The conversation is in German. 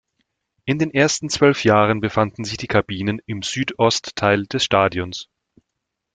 In den ersten zwölf Jahren befanden sich die Kabinen im Süd-Ost-Teil des Stadions.